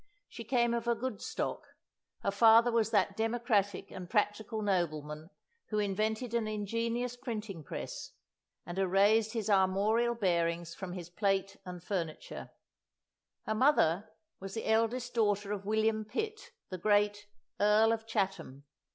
She came of a good stock: her father was that democratic and practical nobleman who invented an ingenious printing press, and erased his armorial bearings from his plate and furniture; her mother was the eldest daughter of William Pitt, the "great Earl of Chatham."